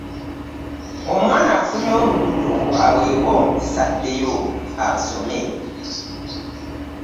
Omwana afunye olubuto aweebwe omukisa addeyo asome.